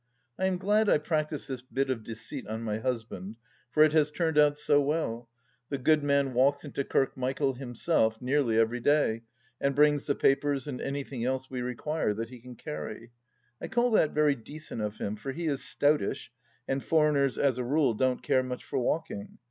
I am glad I practised this bit of deceit on my husband, for it has turned out so well. The good man walks into Kirkmichael himself, nearly every day, and brings the papers arid anything else we require that he can carry. I call that very decent of him, for he is stoutish, and foreigners as a rule don't care much for walking.